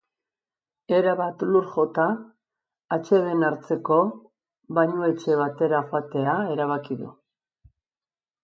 Erabat lur jota, atseden hartzeko bainuetxe batera joatea erabaki du.